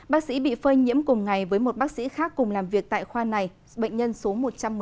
bác sĩ bị phơi nhiễm cùng ngày với một bác sĩ khác cùng làm việc tại khoa này bệnh nhân số một trăm một mươi sáu